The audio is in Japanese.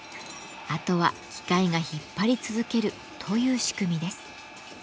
あとは機械が引っ張り続けるという仕組みです。